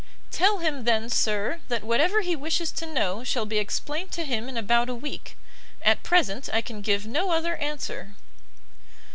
"Tell him, then, sir, that whatever he wishes to know shall be explained to him in about a week. At present I can give no other answer."